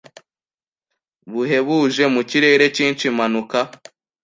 buhebuje mu kirere cyinshi Manuka